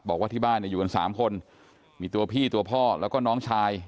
บอกว่าที่บ้านเนี่ยอยู่กันสามคนมีตัวพี่ตัวพ่อแล้วก็น้องชาย